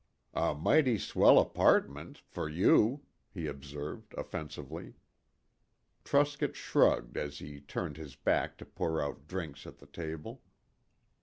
"A mighty swell apartment fer you," he observed offensively. Truscott shrugged as he turned his back to pour out drinks at the table.